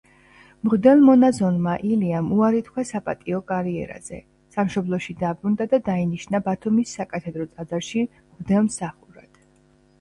მღვდელმონაზონმა ილიამ უარი თქვა საპატიო კარიერაზე, სამშობლოში დაბრუნდა და დაინიშნა ბათუმის საკათედრო ტაძარში მღვდელმსახურად.